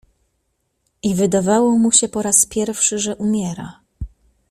I wydawało mu się po raz pierwszy, że umiera.